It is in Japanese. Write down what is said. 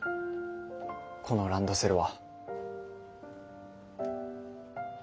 このランドセルは。